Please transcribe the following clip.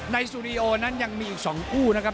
สตูดิโอนั้นยังมีอีก๒คู่นะครับ